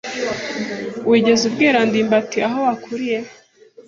Wigeze ubwira ndimbati aho wakuriye?